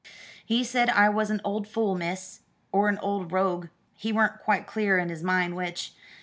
"He said I was a old fool, miss, or a old rogue, he weren't quite clear in his mind which.